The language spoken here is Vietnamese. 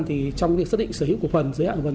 trong việc xác định sở hữu cổ phần